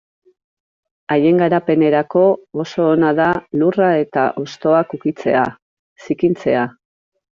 Haien garapenerako oso ona da lurra eta hostoak ukitzea, zikintzea...